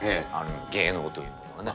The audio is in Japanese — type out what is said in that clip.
芸能というのはね。